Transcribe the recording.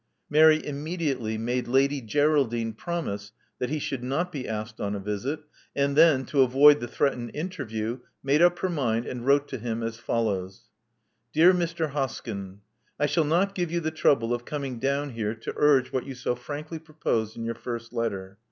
Mary immediately made Lady Geraldine promise that he should not be asked on a visit; and then, to avoid the threatened interview, made up her mind and wrote to him as follows: Dear Mr. Hosk3m :— I shall not give you the trouble of coming down here to urge what you so frankly proposed in your first letter.